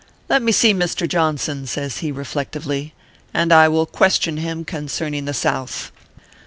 " Let me see Mr. Johnson/ says he, reflectively, " and I will question him concerning the South."